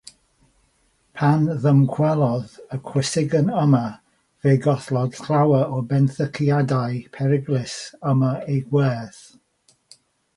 Pan ddymchwelodd y chwysigen yma, fe gollodd llawer o'r benthyciadau peryglus yma eu gwerth.